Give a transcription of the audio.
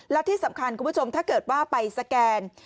แล้วที่สำคัญคุณผู้ชมถ้าเกิดว่าไปสแกน